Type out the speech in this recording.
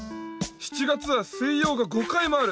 ７月は水曜が５回もある！